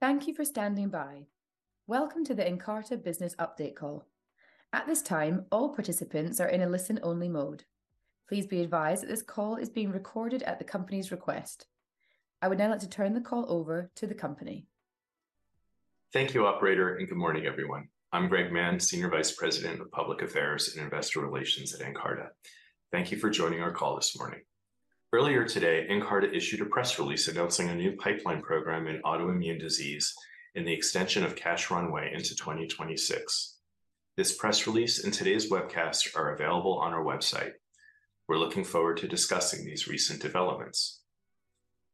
Thank you for standing by. Welcome to the Nkarta Business Update Call. At this time, all participants are in a listen-only mode. Please be advised that this call is being recorded at the company's request. I would now like to turn the call over to the company. Thank you, operator, and good morning, everyone. I'm Greg Mann, Senior Vice President of Public Affairs and Investor Relations at Nkarta. Thank you for joining our call this morning. Earlier today, Nkarta issued a press release announcing a new pipeline program in autoimmune disease and the extension of cash runway into 2026. This press release and today's webcast are available on our website. We're looking forward to discussing these recent developments.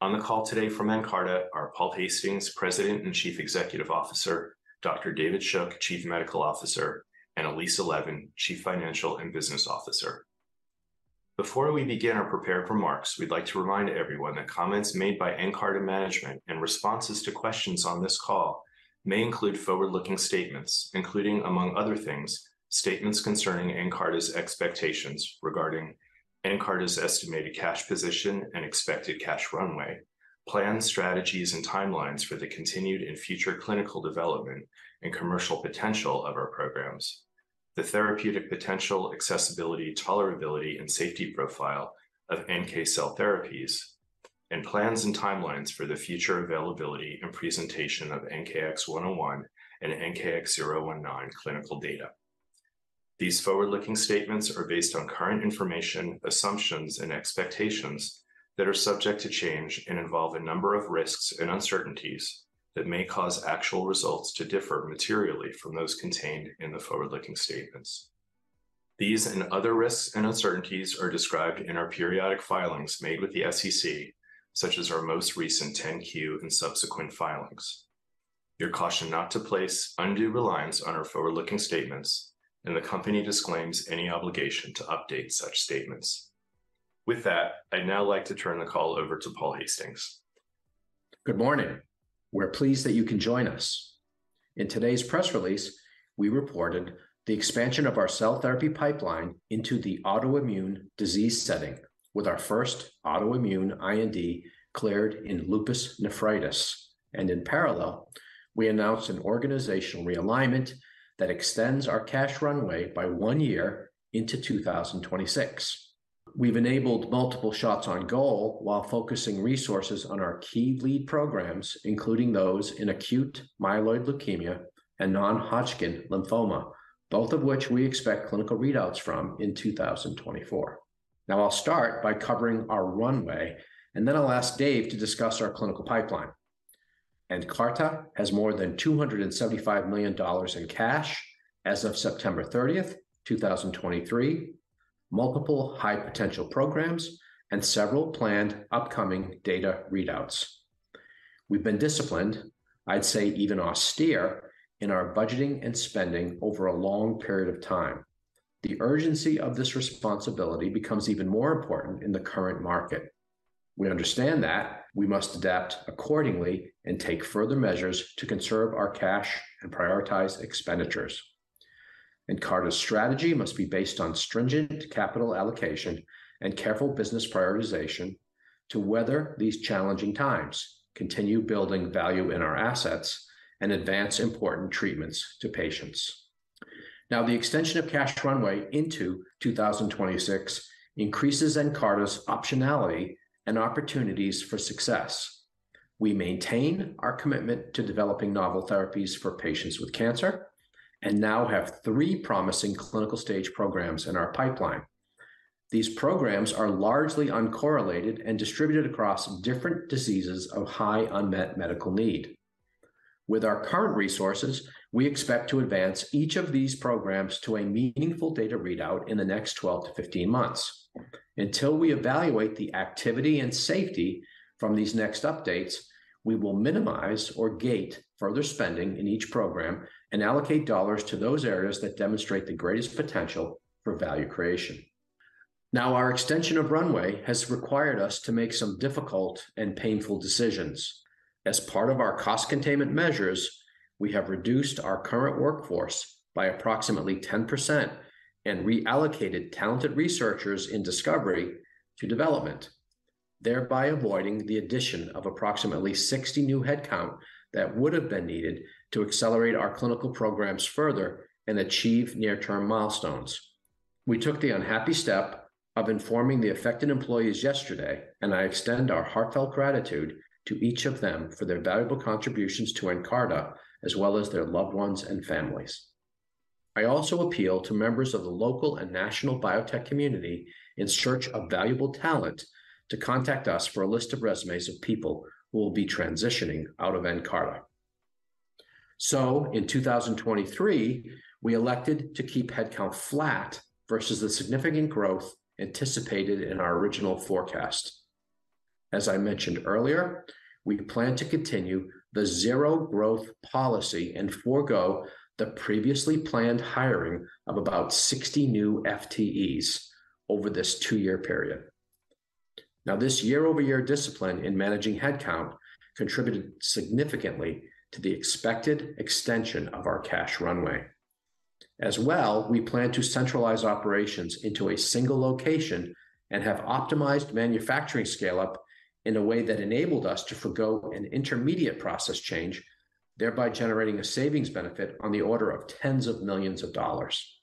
On the call today from Nkarta are Paul Hastings, President and Chief Executive Officer, Dr. David Shook, Chief Medical Officer, and Elise Levin, Chief Financial and Business Officer. Before we begin our prepared remarks, we'd like to remind everyone that comments made by Nkarta management and responses to questions on this call may include forward-looking statements, including, among other things, statements concerning Nkarta's expectations regarding Nkarta's estimated cash position and expected cash runway. Plans, strategies, and timelines for the continued and future clinical development and commercial potential of our programs. The therapeutic potential, accessibility, tolerability, and safety profile of NK cell therapies. And plans and timelines for the future availability and presentation of NKX101 and NKX019 clinical data. These forward-looking statements are based on current information, assumptions, and expectations that are subject to change and involve a number of risks and uncertainties that may cause actual results to differ materially from those contained in the forward-looking statements. These and other risks and uncertainties are described in our periodic filings made with the SEC, such as our most recent 10-Q and subsequent filings. You're cautioned not to place undue reliance on our forward-looking statements, and the company disclaims any obligation to update such statements. With that, I'd now like to turn the call over to Paul Hastings. Good morning. We're pleased that you can join us. In today's press release, we reported the expansion of our cell therapy pipeline into the autoimmune disease setting with our first autoimmune IND cleared in lupus nephritis, and in parallel, we announced an organizational realignment that extends our cash runway by one year into 2026. We've enabled multiple shots on goal while focusing resources on our key lead programs, including those in acute myeloid leukemia and non-Hodgkin lymphoma, both of which we expect clinical readouts from in 2024. Now, I'll start by covering our runway, and then I'll ask Dave to discuss our clinical pipeline. Nkarta has more than $275 million in cash as of September 30, 2023, multiple high-potential programs, and several planned upcoming data readouts. We've been disciplined, I'd say even austere, in our budgeting and spending over a long period of time. The urgency of this responsibility becomes even more important in the current market. We understand that we must adapt accordingly and take further measures to conserve our cash and prioritize expenditures. Nkarta's strategy must be based on stringent capital allocation and careful business prioritization to weather these challenging times, continue building value in our assets, and advance important treatments to patients. Now, the extension of cash runway into 2026 increases Nkarta's optionality and opportunities for success. We maintain our commitment to developing novel therapies for patients with cancer and now have three promising clinical-stage programs in our pipeline. These programs are largely uncorrelated and distributed across different diseases of high unmet medical need. With our current resources, we expect to advance each of these programs to a meaningful data readout in the next 12-15 months. Until we evaluate the activity and safety from these next updates, we will minimize or gate further spending in each program and allocate dollars to those areas that demonstrate the greatest potential for value creation. Now, our extension of runway has required us to make some difficult and painful decisions. As part of our cost containment measures, we have reduced our current workforce by approximately 10% and reallocated talented researchers in discovery to development, thereby avoiding the addition of approximately 60 new headcount that would have been needed to accelerate our clinical programs further and achieve near-term milestones. We took the unhappy step of informing the affected employees yesterday, and I extend our heartfelt gratitude to each of them for their valuable contributions to Nkarta, as well as their loved ones and families. I also appeal to members of the local and national biotech community in search of valuable talent to contact us for a list of resumes of people who will be transitioning out of Nkarta. So in 2023, we elected to keep headcount flat versus the significant growth anticipated in our original forecast. As I mentioned earlier, we plan to continue the zero-growth policy and forgo the previously planned hiring of about 60 new FTEs over this two-year period. Now, this year-over-year discipline in managing headcount contributed significantly to the expected extension of our cash runway. As well, we plan to centralize operations into a single location and have optimized manufacturing scale-up in a way that enabled us to forego an intermediate process change, thereby generating a savings benefit on the order of tens of millions of dollars.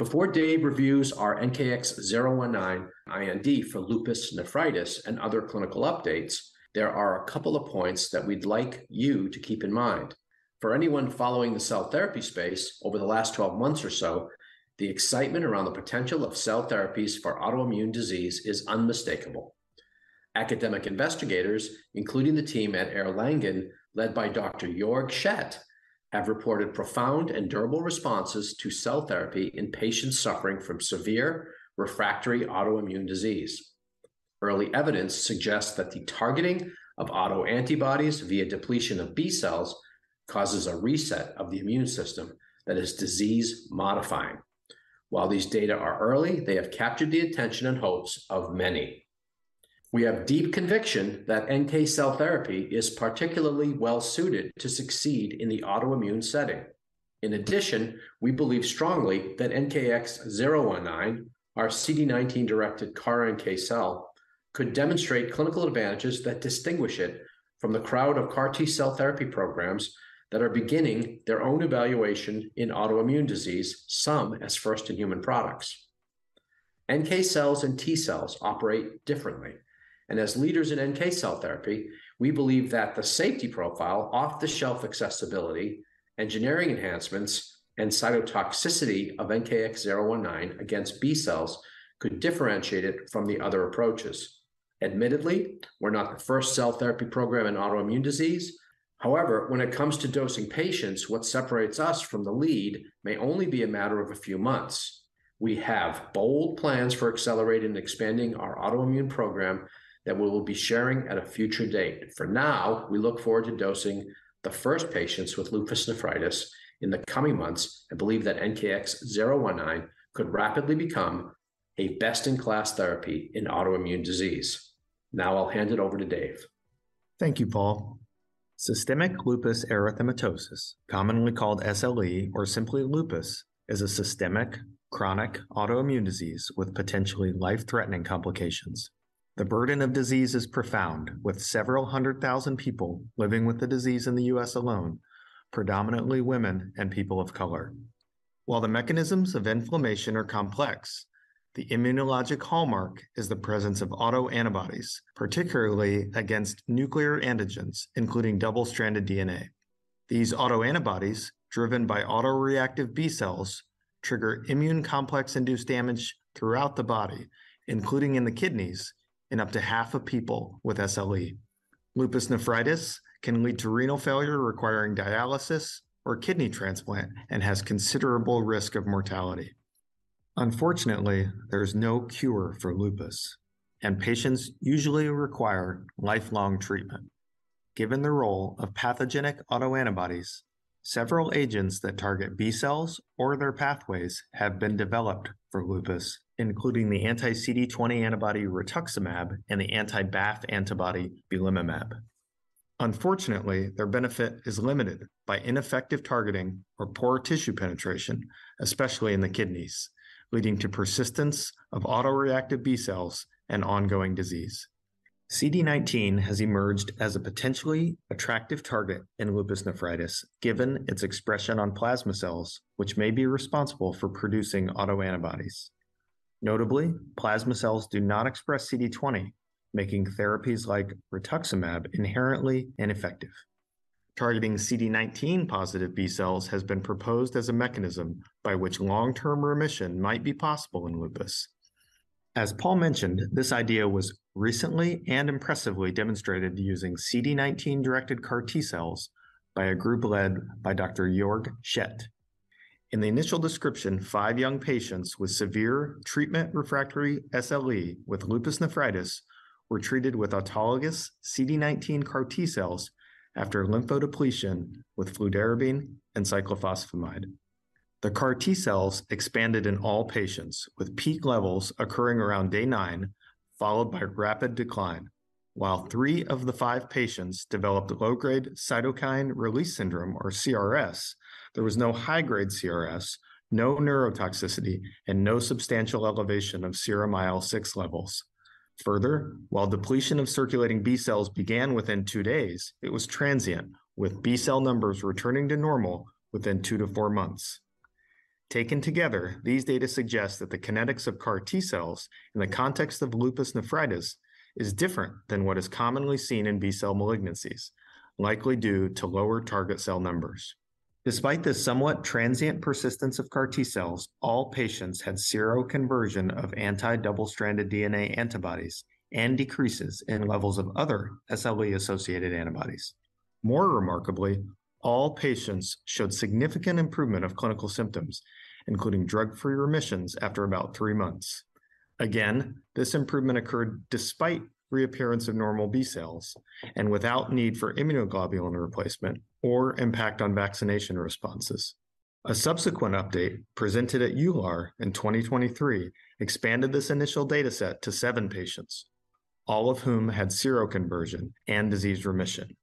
Before Dave reviews our NKX019 IND for lupus nephritis and other clinical updates, there are a couple of points that we'd like you to keep in mind. For anyone following the cell therapy space over the last 12 months or so, the excitement around the potential of cell therapies for autoimmune disease is unmistakable. Academic investigators, including the team at Erlangen, led by Dr. Georg Schett, have reported profound and durable responses to cell therapy in patients suffering from severe refractory autoimmune disease. Early evidence suggests that the targeting of autoantibodies via depletion of B cells causes a reset of the immune system that is disease modifying. While these data are early, they have captured the attention and hopes of many. We have deep conviction that NK cell therapy is particularly well suited to succeed in the autoimmune setting. In addition, we believe strongly that NKX019, our CD19-directed CAR-NK cell, could demonstrate clinical advantages that distinguish it from the crowd of CAR T cell therapy programs that are beginning their own evaluation in autoimmune disease, some as first-in-human products. NK cells and T cells operate differently, and as leaders in NK cell therapy, we believe that the safety profile, off-the-shelf accessibility, engineering enhancements, and cytotoxicity of NKX019 against B cells could differentiate it from the other approaches. Admittedly, we're not the first cell therapy program in autoimmune disease. However, when it comes to dosing patients, what separates us from the lead may only be a matter of a few months. We have bold plans for accelerating and expanding our autoimmune program that we will be sharing at a future date. For now, we look forward to dosing the first patients with lupus nephritis in the coming months and believe that NKX019 could rapidly become a best-in-class therapy in autoimmune disease. Now, I'll hand it over to Dave. Thank you, Paul. Systemic lupus erythematosus, commonly called SLE or simply lupus, is a systemic, chronic autoimmune disease with potentially life-threatening complications. The burden of disease is profound, with several hundred thousand people living with the disease in the U.S. alone, predominantly women and people of color. While the mechanisms of inflammation are complex, the immunologic hallmark is the presence of autoantibodies, particularly against nuclear antigens, including double-stranded DNA. These autoantibodies, driven by autoreactive B cells, trigger immune complex-induced damage throughout the body, including in the kidneys, in up to half of people with SLE. Lupus nephritis can lead to renal failure, requiring dialysis or kidney transplant, and has considerable risk of mortality. Unfortunately, there's no cure for lupus, and patients usually require lifelong treatment. Given the role of pathogenic autoantibodies, several agents that target B cells or their pathways have been developed for lupus, including the anti-CD20 antibody rituximab and the anti-BAFF antibody belimumab. Unfortunately, their benefit is limited by ineffective targeting or poor tissue penetration, especially in the kidneys, leading to persistence of autoreactive B cells and ongoing disease. CD19 has emerged as a potentially attractive target in lupus nephritis, given its expression on plasma cells, which may be responsible for producing autoantibodies. Notably, plasma cells do not express CD20, making therapies like rituximab inherently ineffective. Targeting CD19-positive B cells has been proposed as a mechanism by which long-term remission might be possible in lupus. As Paul mentioned, this idea was recently and impressively demonstrated using CD19-directed CAR T cells by a group led by Dr. Georg Schett. In the initial description, five young patients with severe treatment-refractory SLE with lupus nephritis were treated with autologous CD19 CAR T cells after lymphodepletion with fludarabine and cyclophosphamide. The CAR T cells expanded in all patients, with peak levels occurring around day nine, followed by rapid decline. While three of the five patients developed low-grade cytokine release syndrome, or CRS, there was no high-grade CRS, no neurotoxicity, and no substantial elevation of serum IL-6 levels. Further, while depletion of circulating B cells began within two days, it was transient, with B cell numbers returning to normal within two to four months. Taken together, these data suggest that the kinetics of CAR T cells in the context of lupus nephritis is different than what is commonly seen in B cell malignancies, likely due to lower target cell numbers. Despite the somewhat transient persistence of CAR T cells, all patients had seroconversion of anti-double-stranded DNA antibodies and decreases in levels of other SLE-associated antibodies. More remarkably, all patients showed significant improvement of clinical symptoms, including drug-free remissions after about three months. Again, this improvement occurred despite reappearance of normal B cells and without need for immunoglobulin replacement or impact on vaccination responses. A subsequent update, presented at EULAR in 2023, expanded this initial data set to seven patients, all of whom had seroconversion and disease remission.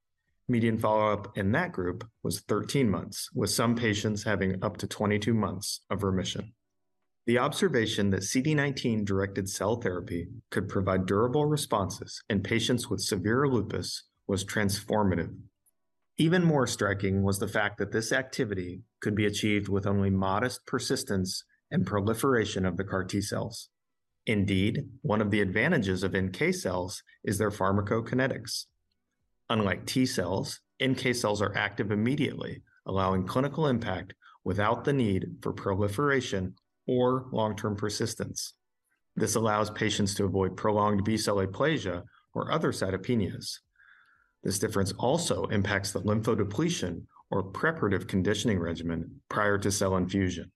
Median follow-up in that group was 13 months, with some patients having up to 22 months of remission. The observation that CD19-directed cell therapy could provide durable responses in patients with severe lupus was transformative. Even more striking was the fact that this activity could be achieved with only modest persistence and proliferation of the CAR T cells. Indeed, one of the advantages of NK cells is their pharmacokinetics. Unlike T cells, NK cells are active immediately, allowing clinical impact without the need for proliferation or long-term persistence. This allows patients to avoid prolonged B-cell aplasia or other cytopenias. This difference also impacts the lymphodepletion or preparative conditioning regimen prior to cell infusion.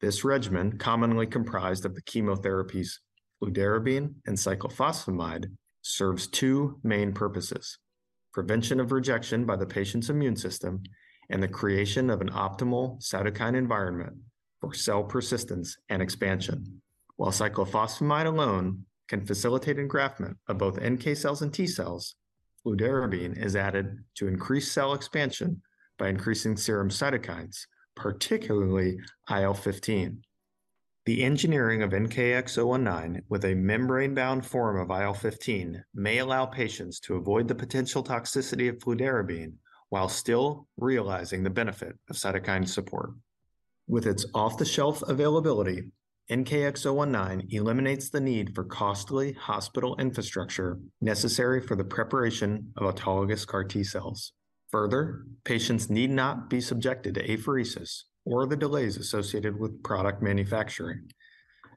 This regimen, commonly comprised of the chemotherapies fludarabine and cyclophosphamide, serves two main purposes: prevention of rejection by the patient's immune system and the creation of an optimal cytokine environment for cell persistence and expansion. While cyclophosphamide alone can facilitate engraftment of both NK cells and T cells, fludarabine is added to increase cell expansion by increasing serum cytokines, particularly IL-15. The engineering of NKX019 with a membrane-bound form of IL-15 may allow patients to avoid the potential toxicity of fludarabine while still realizing the benefit of cytokine support. With its off-the-shelf availability, NKX019 eliminates the need for costly hospital infrastructure necessary for the preparation of autologous CAR T cells. Further, patients need not be subjected to apheresis or the delays associated with product manufacturing.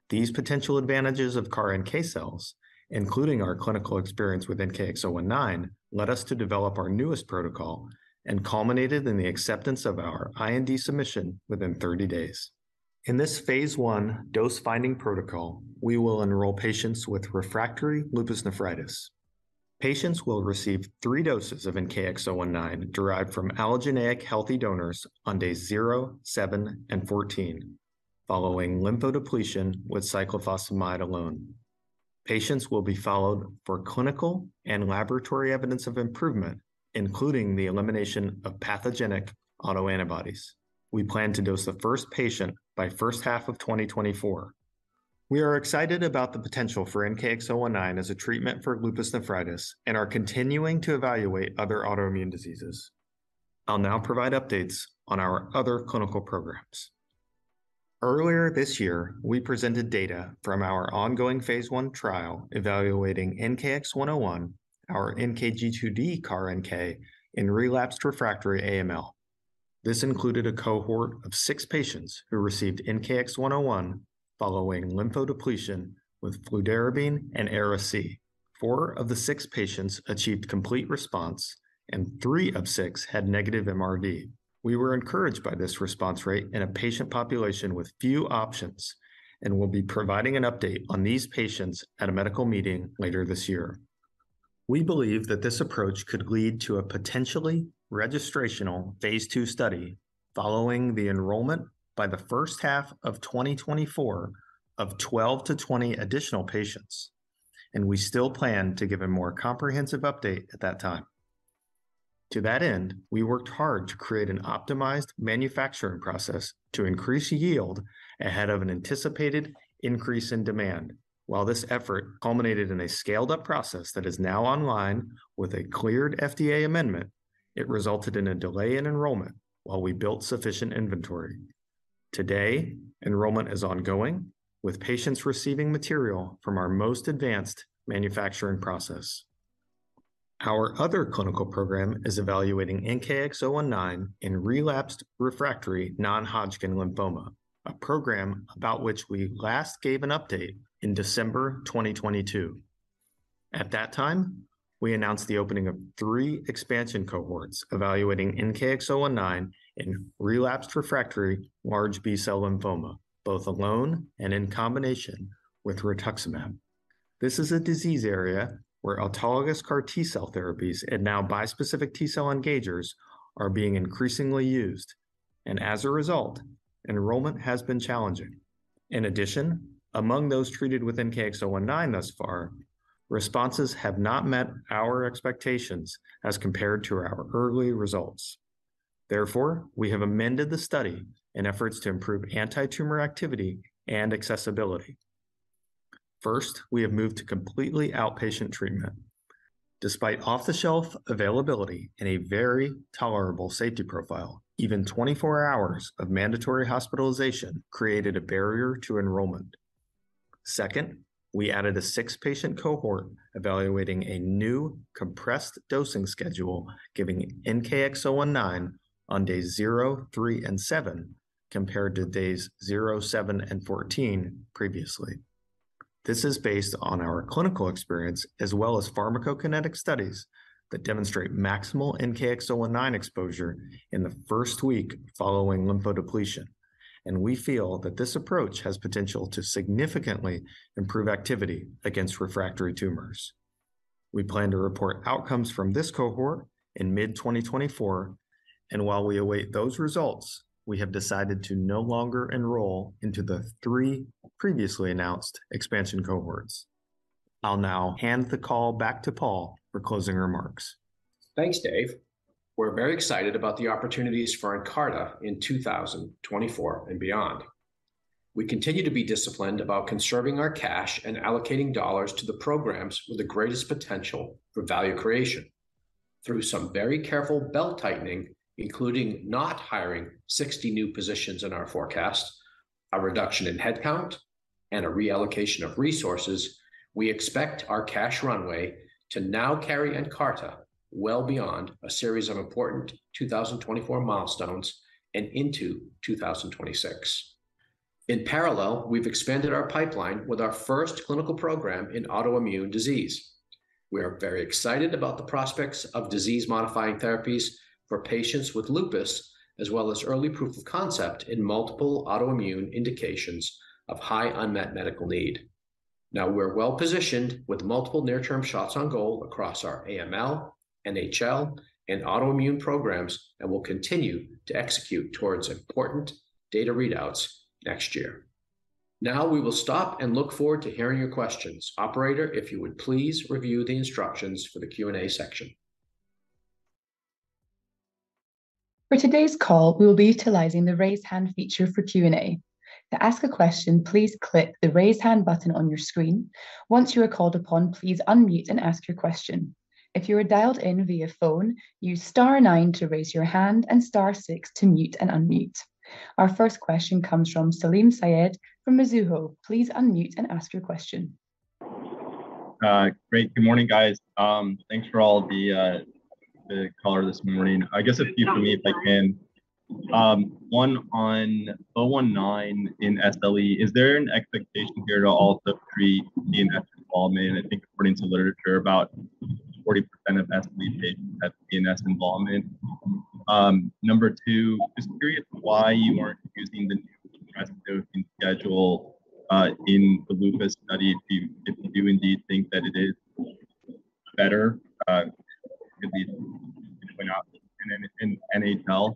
These potential advantages of CAR NK cells, including our clinical experience with NKX019, led us to develop our newest protocol and culminated in the acceptance of our IND submission within 30 days. In this phase I dose-finding protocol, we will enroll patients with refractory lupus nephritis. Patients will receive three doses of NKX019 derived from allogeneic healthy donors on days zero, seven, and 14, following lymphodepletion with cyclophosphamide alone. Patients will be followed for clinical and laboratory evidence of improvement, including the elimination of pathogenic autoantibodies. We plan to dose the first patient by first half of 2024. We are excited about the potential for NKX019 as a treatment for lupus nephritis and are continuing to evaluate other autoimmune diseases. I'll now provide updates on our other clinical programs. Earlier this year, we presented data from our ongoing phase I trial evaluating NKX101, our NKG2D CAR-NK, in relapsed refractory AML. This included a cohort of six patients who received NKX101 following lymphodepletion with fludarabine and ara-C. Four of the six patients achieved complete response, and three of six had negative MRD. We were encouraged by this response rate in a patient population with few options, and we'll be providing an update on these patients at a medical meeting later this year. We believe that this approach could lead to a potentially registrational phase II study following the enrollment by the first half of 2024 of 12-20 additional patients, and we still plan to give a more comprehensive update at that time. To that end, we worked hard to create an optimized manufacturing process to increase yield ahead of an anticipated increase in demand. While this effort culminated in a scaled-up process that is now online with a cleared FDA amendment, it resulted in a delay in enrollment while we built sufficient inventory. Today, enrollment is ongoing, with patients receiving material from our most advanced manufacturing process. Our other clinical program is evaluating NKX019 in relapsed refractory non-Hodgkin lymphoma, a program about which we last gave an update in December 2022. At that time, we announced the opening of three expansion cohorts evaluating NKX019 in relapsed refractory large B-cell lymphoma, both alone and in combination with rituximab. This is a disease area where autologous CAR T-cell therapies and now bispecific T-cell engagers are being increasingly used, and as a result, enrollment has been challenging. In addition, among those treated with NKX019 thus far, responses have not met our expectations as compared to our early results. Therefore, we have amended the study in efforts to improve antitumor activity and accessibility. First, we have moved to completely outpatient treatment. Despite off-the-shelf availability and a very tolerable safety profile, even 24 hours of mandatory hospitalization created a barrier to enrollment. Second, we added a six-patient cohort evaluating a new compressed dosing schedule, giving NKX019 on days zero, three, and seven, compared to days zero, seven, and 14 previously. This is based on our clinical experience, as well as pharmacokinetic studies that demonstrate maximal NKX019 exposure in the first week following lymphodepletion, and we feel that this approach has potential to significantly improve activity against refractory tumors. We plan to report outcomes from this cohort in mid-2024, and while we await those results, we have decided to no longer enroll into the three previously announced expansion cohorts. I'll now hand the call back to Paul for closing remarks. Thanks, Dave. We're very excited about the opportunities for Nkarta in 2024 and beyond. We continue to be disciplined about conserving our cash and allocating dollars to the programs with the greatest potential for value creation. Through some very careful belt-tightening, including not hiring 60 new positions in our forecast, a reduction in headcount, and a reallocation of resources, we expect our cash runway to now carry Nkarta well beyond a series of important 2024 milestones and into 2026. In parallel, we've expanded our pipeline with our first clinical program in autoimmune disease. We are very excited about the prospects of disease-modifying therapies for patients with lupus, as well as early proof of concept in multiple autoimmune indications of high unmet medical need. Now, we're well-positioned with multiple near-term shots on goal across our AML, NHL, and autoimmune programs, and we'll continue to execute towards important data readouts next year. Now, we will stop and look forward to hearing your questions. Operator, if you would please review the instructions for the Q&A section. For today's call, we will be utilizing the Raise Hand feature for Q&A. To ask a question, please click the Raise Hand button on your screen. Once you are called upon, please unmute and ask your question. If you are dialed in via phone, use star nine to raise your hand and star six to mute and unmute. Our first question comes from Salim Syed from Mizuho. Please unmute and ask your question. Great. Good morning, guys. Thanks for all the color this morning. I guess a few for me, if I can. One, on NKX019 in SLE, is there an expectation here to also treat CNS involvement? I think according to literature, about 40% of SLE patients have CNS involvement. Number two, just curious why you aren't using the new dosing schedule in the lupus study, if you do indeed think that it is better, could be [went out in NHL?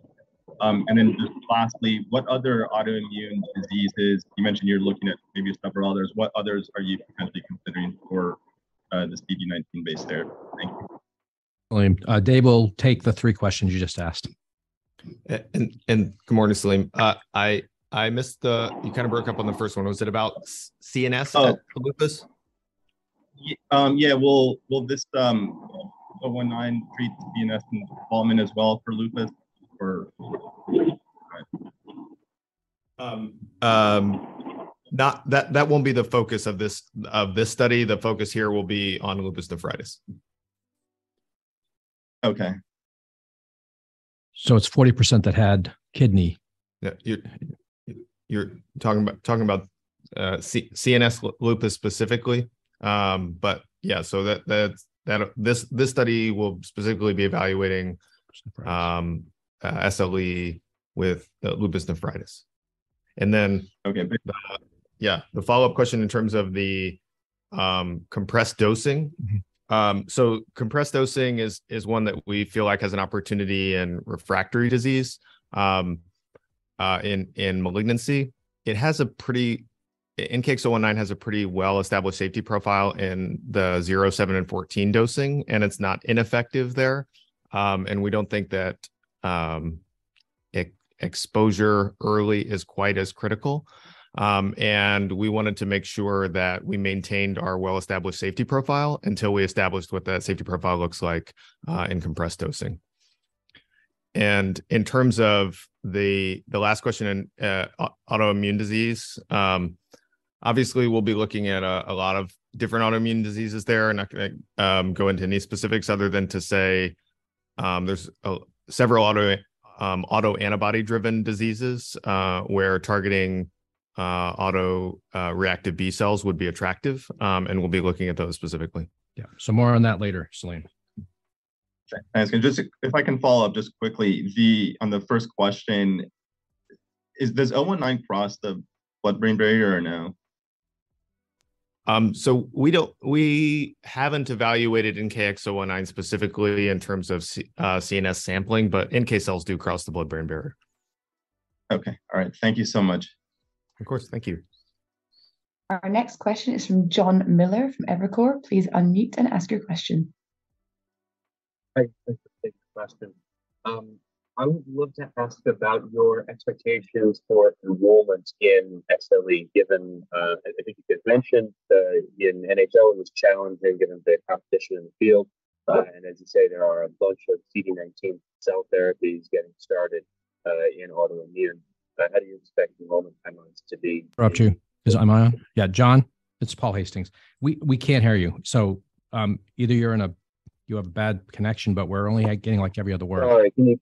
And then lastly, what other autoimmune diseases, you mentioned you're looking at maybe several others. What others are you potentially considering for this CD19-based therapy? Thank you. William, Dave will take the three questions you just asked. Good morning, Salim. I missed the-- you kind of broke up on the first one. Was it about CNS? Oh... lupus? Yeah, will this NKX019 treat CNS involvement as well for lupus or? Not that, that won't be the focus of this, of this study. The focus here will be on lupus nephritis. Okay. It's 40% that had kidney. Yeah, you're talking about CNS lupus specifically. But yeah, so this study will specifically be evaluating- [Surprise] SLE with lupus nephritis. And then- Okay, thank you. Yeah, the follow-up question in terms of the compressed dosing. Mm-hmm. So compressed dosing is one that we feel like has an opportunity in refractory disease in malignancy. It has a pretty... NKX019 has a pretty well-established safety profile in the zero, seven, and 14 dosing, and it's not ineffective there. We don't think that exposure early is quite as critical. We wanted to make sure that we maintained our well-established safety profile until we established what that safety profile looks like in compressed dosing. In terms of the last question in autoimmune disease, obviously we'll be looking at a lot of different autoimmune diseases there. I'm not gonna go into any specifics other than to say, there's several autoantibody-driven diseases where targeting autoreactive B cells would be attractive, and we'll be looking at those specifically. Yeah. More on that later, Salim. Thanks, and just if I can follow up just quickly, on the first question, does NKX019 cross the blood-brain barrier or no? So we haven't evaluated NKX019 specifically in terms of CNS sampling, but NK cells do cross the blood-brain barrier. Okay, all right. Thank you so much. Of course. Thank you. Our next question is from Jon Miller from Evercore. Please unmute and ask your question. Hi, thank you for taking the question. I would love to ask about your expectations for enrollment in SLE, given I think you had mentioned in NHL, it was challenging given the competition in the field. Yeah. And as you say, there are a bunch of CD19 cell therapies getting started in autoimmune. How do you expect enrollment timelines to be? Interrupted. Am I on? Yeah, Jon, it's Paul Hastings. We, we can't hear you. So, either you're in a, you have a bad connection, but we're only getting, like, every other word. Sorry, can you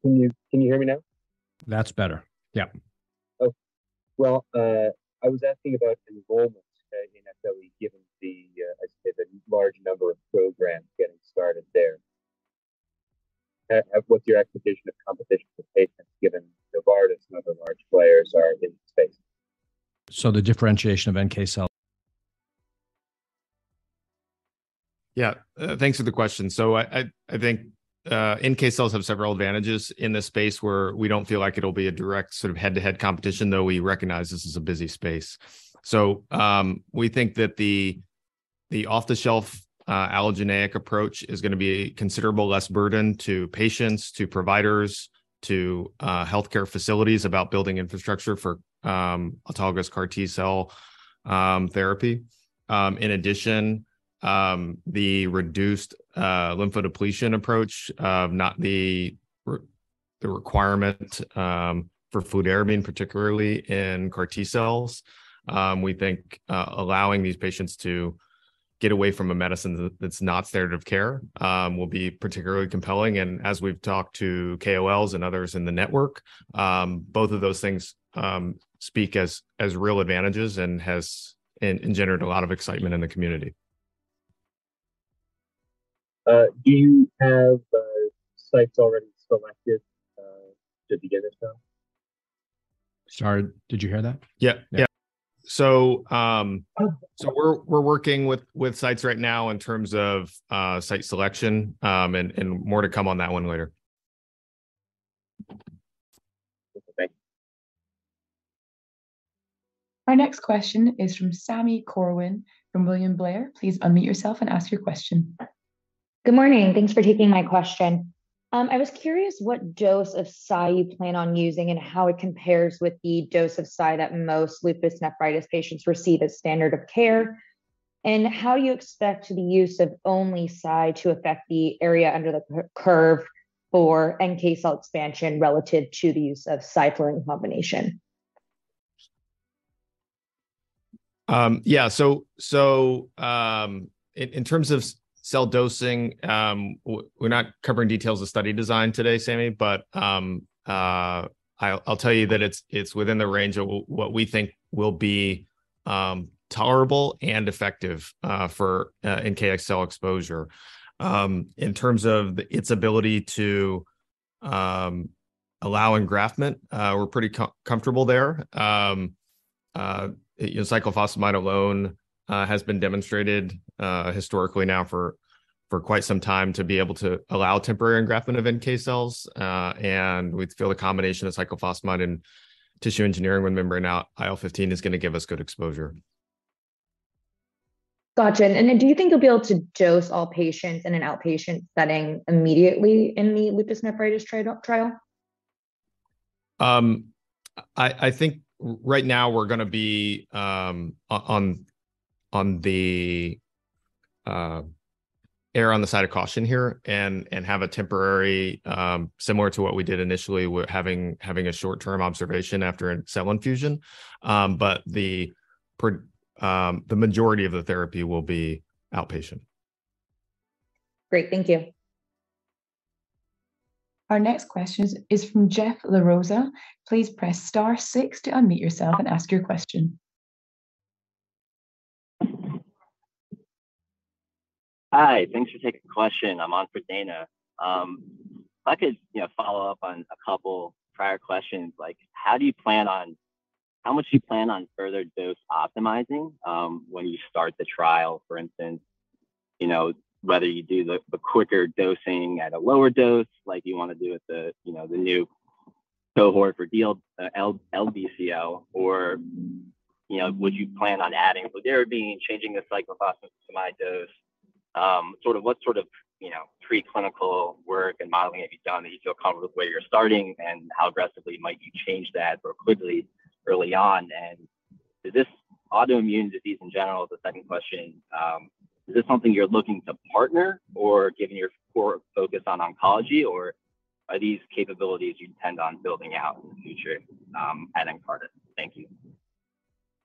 hear me now? That's better. Yeah. Okay. Well, I was asking about enrollment in SLE, given the, as you said, the large number of programs getting started there. What's your expectation of competition for patients, given Novartis and other large players are in the space? So the differentiation of NK cell- Yeah, thanks for the question. So I think NK cells have several advantages in this space, where we don't feel like it'll be a direct sort of head-to-head competition, though we recognize this is a busy space. So we think that the off-the-shelf allogeneic approach is gonna be a considerable less burden to patients, to providers, to healthcare facilities about building infrastructure for autologous CAR T cell therapy. In addition, the reduced lymphodepletion approach of not the requirement for fludarabine, particularly in CAR T cells. We think allowing these patients to get away from a medicine that's not standard of care will be particularly compelling. As we've talked to KOLs and others in the network, both of those things speak as real advantages and has generated a lot of excitement in the community. Do you have sites already selected to begin this trial? Sorry, did you hear that? Yeah. Yeah. So, we're working with sites right now in terms of site selection, and more to come on that one later. Okay. Our next question is from Sami Corwin from William Blair. Please unmute yourself and ask your question. Good morning, and thanks for taking my question. I was curious what dose of Cy you plan on using, and how it compares with the dose of Cy that most lupus nephritis patients receive as standard of care? How you expect the use of only Cy to affect the area under the curve for NK cell expansion, relative to the use of Cy in combination? Yeah, so in terms of cell dosing, we're not covering details of study design today, Sammy, but I'll tell you that it's within the range of what we think will be tolerable and effective for NKX cell exposure. In terms of its ability to allow engraftment, we're pretty comfortable there. You know, cyclophosphamide alone has been demonstrated historically now for quite some time to be able to allow temporary engraftment of NK cells. And we feel a combination of cyclophosphamide and tissue engineering with membrane-bound IL-15 is gonna give us good exposure. Gotcha. And then, do you think you'll be able to dose all patients in an outpatient setting immediately in the lupus nephritis trial? I think right now we're gonna err on the side of caution here, and have a temporary. Similar to what we did initially, we're having a short-term observation after a cell infusion. But the majority of the therapy will be outpatient. Great, thank you. Our next question is from Jeff La Rosa. Please press star six to unmute yourself and ask your question. Hi, thanks for taking the question. I'm on for Dana. If I could, you know, follow up on a couple prior questions, like, how do you plan on, how much do you plan on further dose optimizing, when you start the trial, for instance? You know, whether you do the quicker dosing at a lower dose, like you want to do with the, you know, the new cohort for DLBCL, or, you know, would you plan on adding fludarabine, changing the cyclophosphamide dose? Sort of, what sort of, you know, preclinical work and modeling have you done, that you feel comfortable with the way you're starting, and how aggressively might you change that or quickly early on? Does this autoimmune disease in general, is the second question, is this something you're looking to partner, or given your core focus on oncology, or are these capabilities you intend on building out in the future, at Nkarta? Thank you.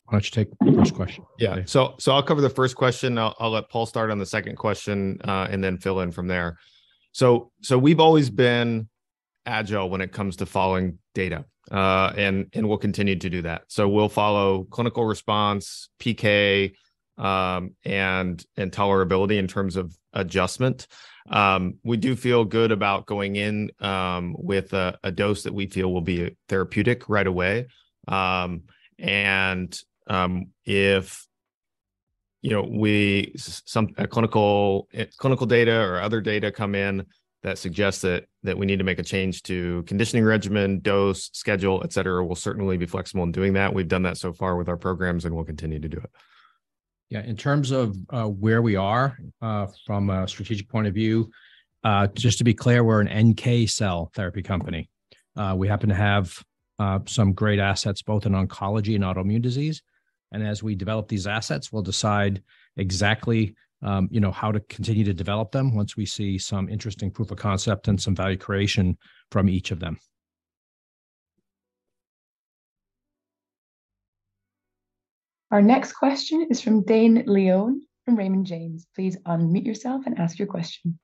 Why don't you take the first question? Yeah. So I'll cover the first question. I'll let Paul start on the second question, and then fill in from there. So we've always been agile when it comes to following data, and we'll continue to do that. So we'll follow clinical response, PK, and tolerability in terms of adjustment. We do feel good about going in with a dose that we feel will be therapeutic right away. And if, you know, some clinical data or other data come in that suggests that we need to make a change to conditioning regimen, dose, schedule, et cetera, we'll certainly be flexible in doing that. We've done that so far with our programs, and we'll continue to do it. Yeah, in terms of where we are from a strategic point of view, just to be clear, we're an NK cell therapy company. We happen to have some great assets, both in oncology and autoimmune disease, and as we develop these assets, we'll decide exactly, you know, how to continue to develop them, once we see some interesting proof of concept and some value creation from each of them. Our next question is from Dane Leone, from Raymond James. Please unmute yourself and ask your question.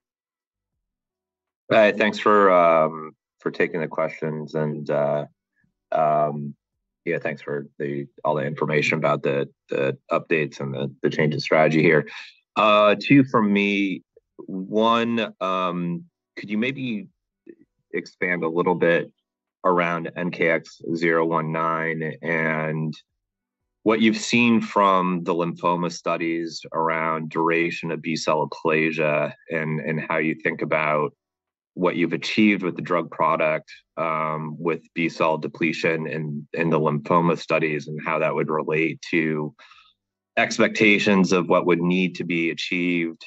Hi, thanks for taking the questions, and yeah, thanks for all the information about the updates and the change in strategy here. Two from me. One, could you maybe expand a little bit around NKX019, and what you've seen from the lymphoma studies around duration of B-cell aplasia and how you think about what you've achieved with the drug product, with B-cell depletion in the lymphoma studies, and how that would relate to expectations of what would need to be achieved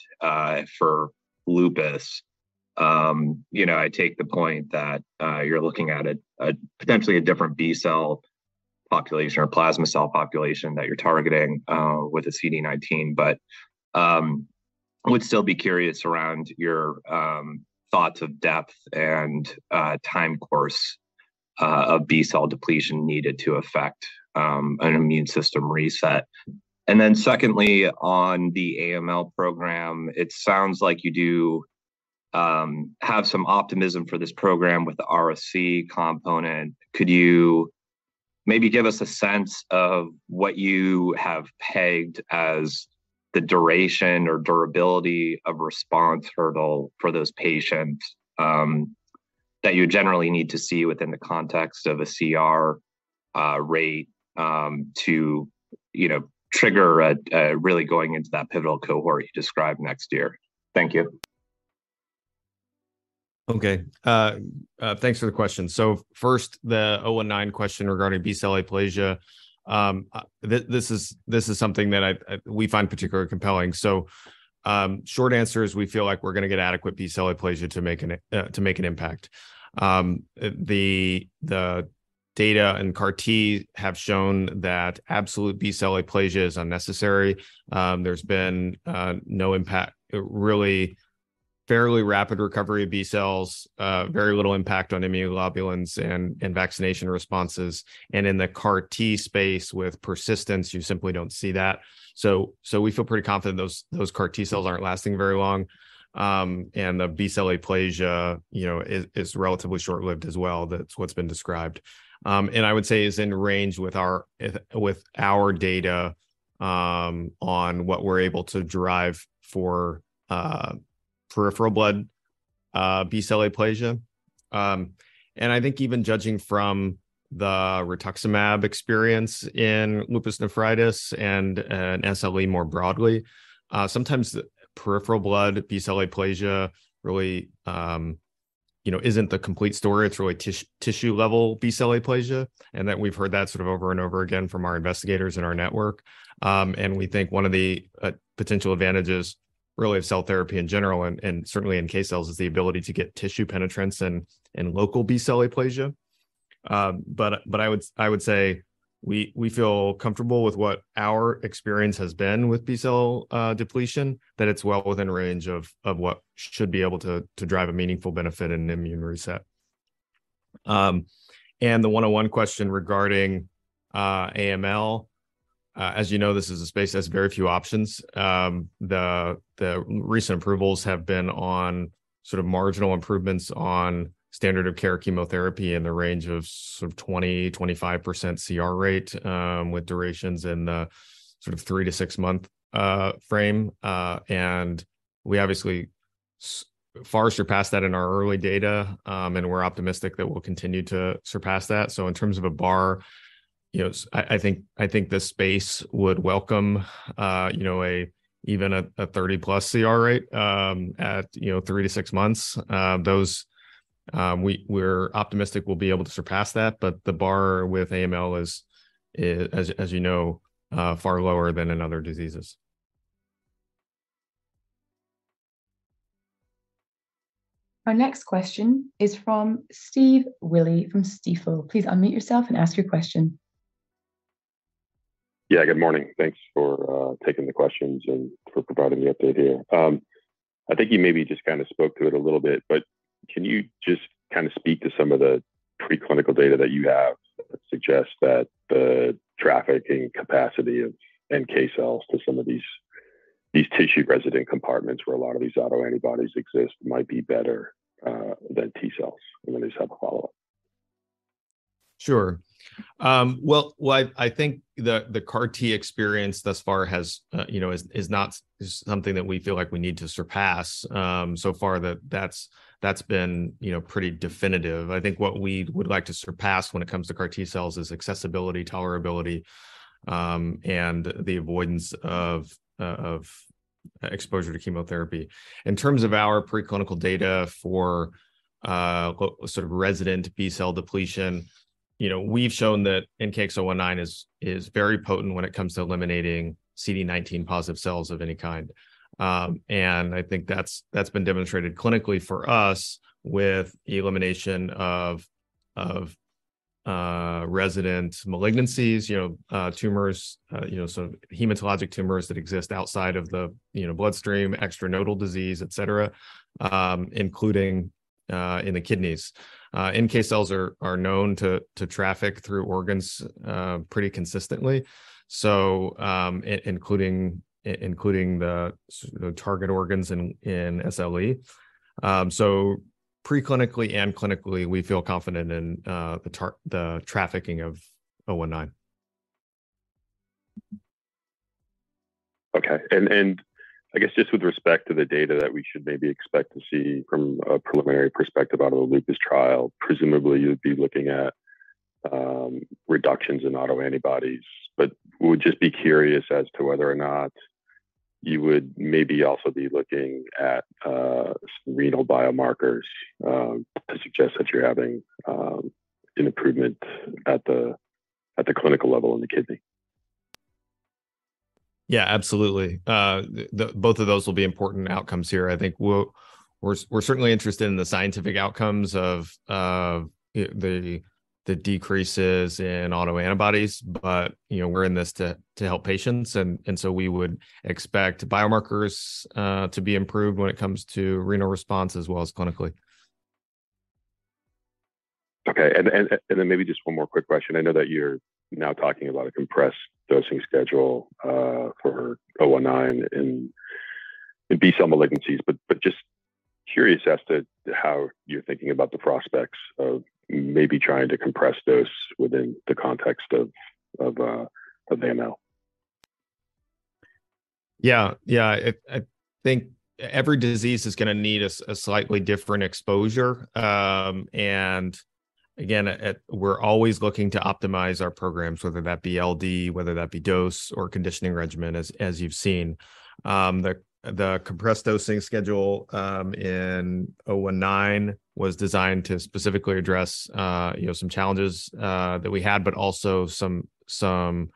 for lupus? You know, I take the point that you're looking at a potentially different B-cell population or plasma cell population that you're targeting with CD19. But, I would still be curious around your, thoughts of depth and, time course, of B-cell depletion needed to effect, an immune system reset. And then secondly, on the AML program, it sounds like you do, have some optimism for this program with the ara-C component. Could you maybe give us a sense of what you have pegged as the duration or durability of response hurdle for those patients, that you generally need to see within the context of a CR, rate, to, you know, trigger a really going into that pivotal cohort you described next year? Thank you. Okay. Thanks for the question. So first, the 019 question regarding B-cell aplasia. This is something that we find particularly compelling. So, short answer is we feel like we're going to get adequate B-cell aplasia to make an impact. The data and CAR T have shown that absolute B-cell aplasia is unnecessary. There's been no impact, really fairly rapid recovery of B-cells, very little impact on immunoglobulins and vaccination responses. And in the CAR T space with persistence, you simply don't see that. So, we feel pretty confident those CAR T cells aren't lasting very long. And the B-cell aplasia, you know, is relatively short-lived as well. That's what's been described. And I would say is in range with our data on what we're able to derive for peripheral blood B-cell aplasia. And I think even judging from the rituximab experience in lupus nephritis and SLE more broadly, sometimes the peripheral blood B-cell aplasia really, you know, isn't the complete story. It's really tissue-level B-cell aplasia, and that we've heard that sort of over and over again from our investigators in our network. And we think one of the potential advantages, really, of cell therapy in general and certainly in NK cells, is the ability to get tissue penetrance and local B-cell aplasia. But I would say we feel comfortable with what our experience has been with B-cell depletion, that it's well within range of what should be able to drive a meaningful benefit in an immune reset. And the 101 question regarding AML. As you know, this is a space that has very few options. The recent approvals have been on sort of marginal improvements on standard of care chemotherapy in the range of sort of 20-25% CR rate, with durations in the sort of three to six month frame. And we obviously so far surpassed that in our early data, and we're optimistic that we'll continue to surpass that. So in terms of a bar, you know, I think the space would welcome, you know, even a 30+ CR rate at, you know, three to six months. Those, we're optimistic we'll be able to surpass that, but the bar with AML is, as you know, far lower than in other diseases. Our next question is from Steve Willey from Stifel. Please unmute yourself and ask your question. Yeah, good morning. Thanks for taking the questions and for providing the update here. I think you maybe just kind of spoke to it a little bit, but can you just kind of speak to some of the preclinical data that you have that suggests that the trafficking capacity of NK cells to some of these tissue-resident compartments, where a lot of these autoantibodies exist, might be better than T cells? And then I just have a follow-up. Sure. I think the CAR T experience thus far has, you know, is something that we feel like we need to surpass. So far that's been, you know, pretty definitive. I think what we would like to surpass when it comes to CAR T cells is accessibility, tolerability, and the avoidance of exposure to chemotherapy. In terms of our preclinical data for sort of resident B-cell depletion, you know, we've shown that NKX019 is very potent when it comes to eliminating CD19 positive cells of any kind. And I think that's, that's been demonstrated clinically for us with the elimination of resident malignancies, you know, tumors, you know, so hematologic tumors that exist outside of the, you know, bloodstream, extranodal disease, et cetera, including in the kidneys. NK cells are, are known to, to traffic through organs pretty consistently, so, including, including the target organs in, in SLE. So preclinically and clinically, we feel confident in the trafficking of 019. Okay, and I guess just with respect to the data that we should maybe expect to see from a preliminary perspective out of a lupus trial, presumably, you'd be looking at reductions in autoantibodies. But we would just be curious as to whether or not you would maybe also be looking at renal biomarkers to suggest that you're having an improvement at the clinical level in the kidney? Yeah, absolutely. The both of those will be important outcomes here. I think we're certainly interested in the scientific outcomes of the decreases in autoantibodies, but, you know, we're in this to help patients, and so we would expect biomarkers to be improved when it comes to renal response as well as clinically. Okay, and then maybe just one more quick question. I know that you're now talking about a compressed dosing schedule for NKX019 in B-cell malignancies, but just curious as to how you're thinking about the prospects of maybe trying to compress dose within the context of AML. Yeah, yeah. I think every disease is going to need a slightly different exposure. And again, we're always looking to optimize our programs, whether that be LD, whether that be dose or conditioning regimen, as you've seen. The compressed dosing schedule in NKX019 was designed to specifically address you know, some challenges that we had, but also some sort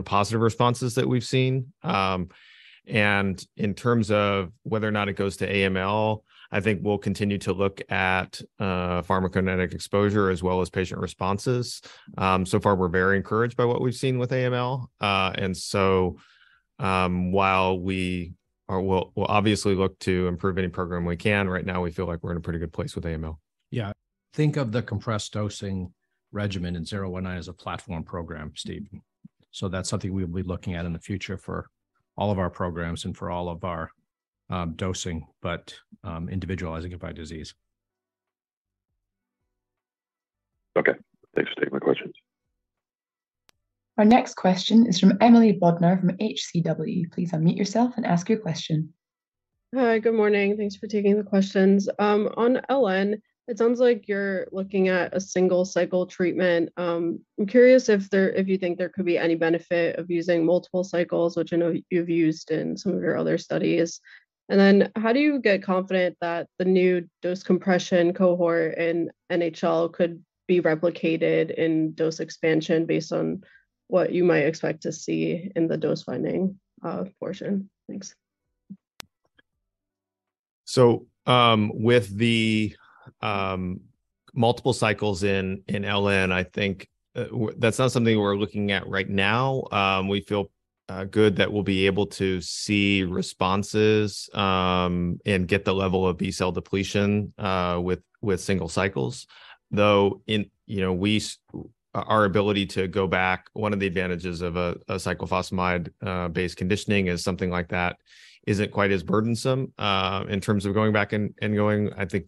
of positive responses that we've seen. And in terms of whether or not it goes to AML, I think we'll continue to look at pharmacokinetic exposure as well as patient responses. So far, we're very encouraged by what we've seen with AML. And so, we'll obviously look to improve any program we can. Right now, we feel like we're in a pretty good place with AML. Yeah. Think of the compressed dosing regimen in NKX019 as a platform program, Steve. So that's something we'll be looking at in the future for all of our programs and for all of our dosing, but individualizing it by disease. Okay. Thanks for taking my questions. Our next question is from Emily Bodnar, from HCW. Please unmute yourself and ask your question. Hi, good morning. Thanks for taking the questions. On LN, it sounds like you're looking at a single-cycle treatment. I'm curious if you think there could be any benefit of using multiple cycles, which I know you've used in some of your other studies. And then, how do you get confident that the new dose compression cohort in NHL could be replicated in dose expansion based on what you might expect to see in the dose-finding portion? Thanks. So, with the multiple cycles in LN, I think that's not something we're looking at right now. We feel good that we'll be able to see responses and get the level of B-cell depletion with single cycles. Though in, you know, our ability to go back, one of the advantages of a cyclophosphamide based conditioning is something like that isn't quite as burdensome in terms of going back and going. I think,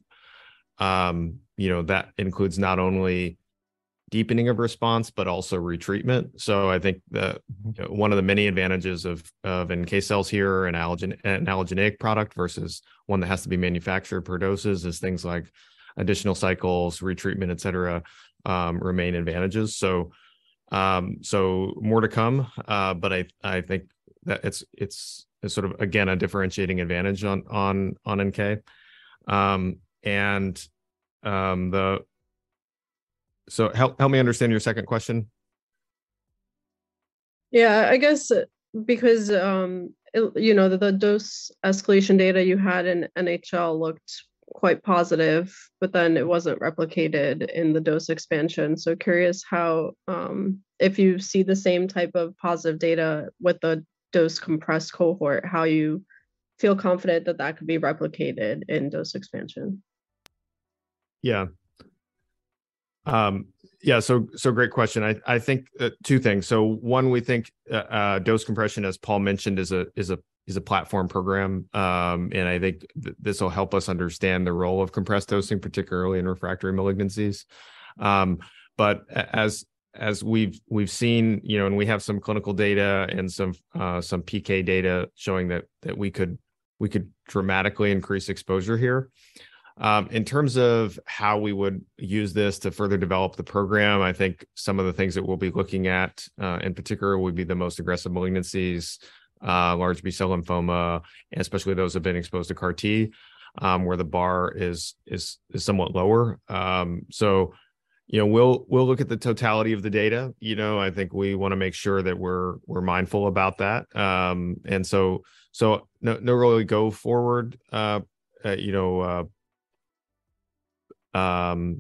you know, that includes not only deepening of response, but also retreatment. So I think one of the many advantages of NK cells here, an allogeneic product versus one that has to be manufactured per doses, is things like additional cycles, retreatment, et cetera remain advantages. So, more to come, but I think that it's sort of, again, a differentiating advantage on NK. So, help me understand your second question. Yeah, I guess because, you know, the dose escalation data you had in NHL looked quite positive, but then it wasn't replicated in the dose expansion. So curious how, if you see the same type of positive data with the dose compressed cohort, how you feel confident that that could be replicated in dose expansion? Yeah. Yeah, so great question. I think two things. So one, we think dose compression, as Paul mentioned, is a platform program. And I think this will help us understand the role of compressed dosing, particularly in refractory malignancies. But as we've seen, you know, and we have some clinical data and some PK data showing that we could dramatically increase exposure here. In terms of how we would use this to further develop the program, I think some of the things that we'll be looking at in particular would be the most aggressive malignancies, large B-cell lymphoma, and especially those who've been exposed to CAR-T, where the bar is somewhat lower. So, you know, we'll look at the totality of the data. You know, I think we want to make sure that we're mindful about that. So, no really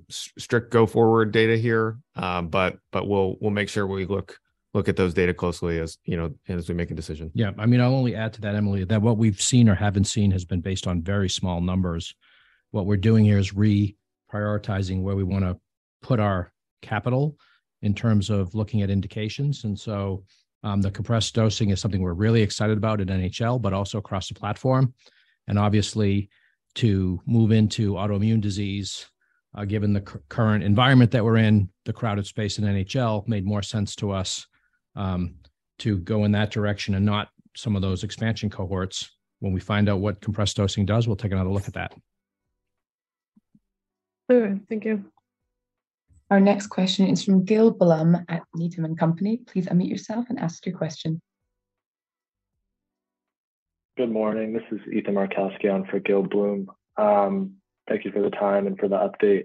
strict go-forward data here. But we'll make sure we look at those data closely, as you know, and as we make a decision. Yeah, I mean, I'll only add to that, Emily, that what we've seen or haven't seen has been based on very small numbers. What we're doing here is reprioritizing where we wanna put our capital in terms of looking at indications. And so, the compressed dosing is something we're really excited about at NHL, but also across the platform, and obviously, to move into autoimmune disease, given the current environment that we're in, the crowded space in NHL made more sense to us, to go in that direction and not some of those expansion cohorts. When we find out what compressed dosing does, we'll take another look at that. All right. Thank you. Our next question is from Gil Blum at Needham & Company. Please unmute yourself and ask your question. Good morning. This is Ethan Markowski on for Gil Blum. Thank you for the time and for the update.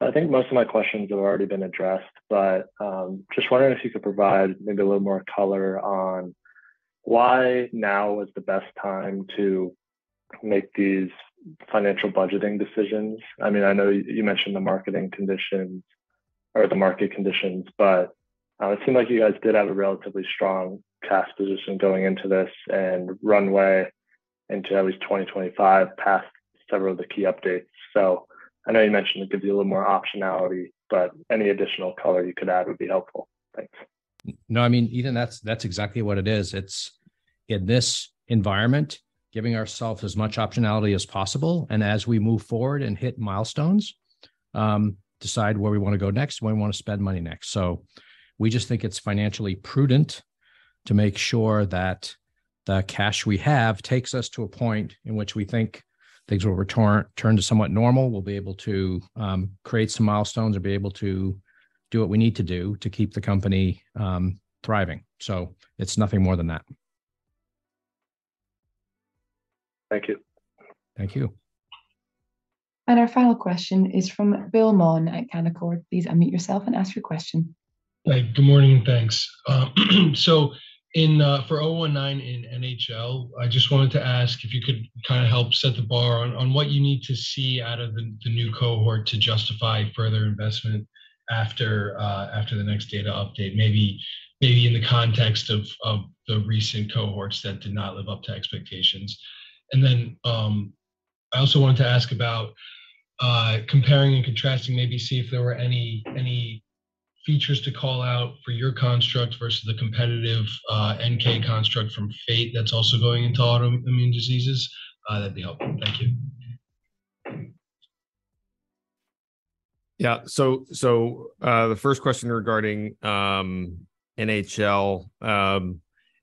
I think most of my questions have already been addressed, but just wondering if you could provide maybe a little more color on why now is the best time to make these financial budgeting decisions? I mean, I know you, you mentioned the marketing conditions or the market conditions, but it seemed like you guys did have a relatively strong cash position going into this and runway into at least 2025, past several of the key updates. So I know you mentioned it gives you a little more optionality, but any additional color you could add would be helpful. Thanks. No, I mean, Ethan, that's, that's exactly what it is. It's, in this environment, giving ourselves as much optionality as possible, and as we move forward and hit milestones, decide where we want to go next, where we want to spend money next. So we just think it's financially prudent to make sure that the cash we have takes us to a point in which we think things will return to somewhat normal. We'll be able to create some milestones and be able to do what we need to do to keep the company thriving. So it's nothing more than that. Thank you. Thank you. Our final question is from Bill Maughan at Canaccord. Please unmute yourself and ask your question. Hi, good morning, and thanks. So in, for 019 in NHL, I just wanted to ask if you could kind of help set the bar on, on what you need to see out of the, the new cohort to justify further investment after, after the next data update? Maybe, maybe in the context of, of the recent cohorts that did not live up to expectations. And then, I also wanted to ask about, comparing and contrasting, maybe see if there were any, any features to call out for your construct versus the competitive, NK construct from Fate that's also going into autoimmune diseases. That'd be helpful. Thank you. Yeah. So, the first question regarding NHL.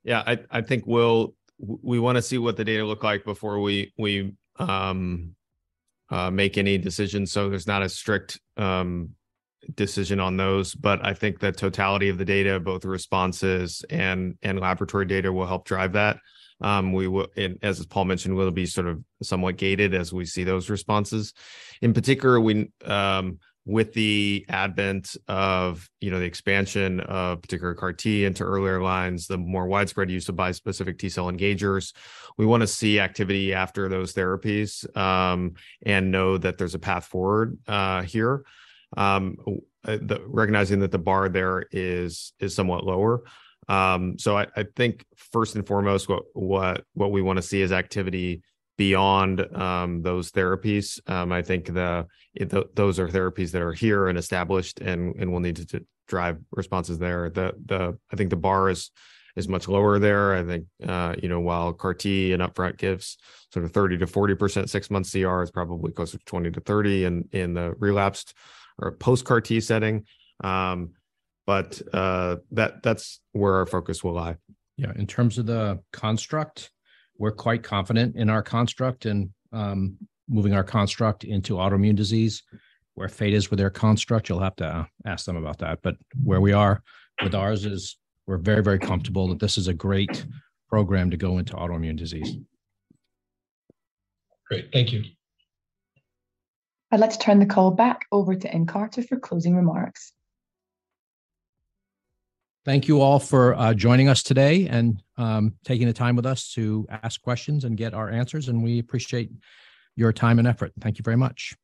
Yeah, I think we'll—we want to see what the data look like before we make any decisions, so there's not a strict decision on those. But I think the totality of the data, both the responses and laboratory data, will help drive that. We will. And as Paul mentioned, we'll be sort of somewhat gated as we see those responses. In particular, with the advent of, you know, the expansion of particular CAR T into earlier lines, the more widespread use of bispecific T-cell engagers, we want to see activity after those therapies, and know that there's a path forward here. Recognizing that the bar there is somewhat lower. So I think first and foremost, what we wanna see is activity beyond those therapies. I think those are therapies that are here and established and will need to drive responses there. I think the bar is much lower there. I think, you know, while CAR T and upfront gives sort of 30%-40%, six months CR is probably closer to 20%-30% in the relapsed or post-CAR T setting. But that's where our focus will lie. Yeah, in terms of the construct, we're quite confident in our construct and moving our construct into autoimmune disease. Where Fate is with their construct, you'll have to ask them about that. But where we are with ours is we're very, very comfortable that this is a great program to go into autoimmune disease. Great. Thank you. I'd like to turn the call back over to Nkarta for closing remarks. Thank you all for joining us today and taking the time with us to ask questions and get our answers, and we appreciate your time and effort. Thank you very much.